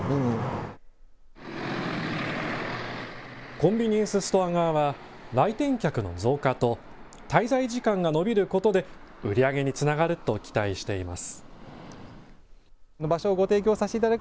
コンビニエンスストア側は来店客の増加と滞在時間が延びることで売り上げにつながると期待しています。